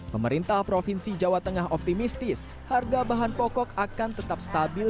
pemerintah provinsi jawa tengah optimistis harga bahan pokok akan tetap stabil